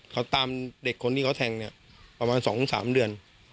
เขาตามเด็กคนที่เขาแทงเนี่ยประมาณ๒๓เดือน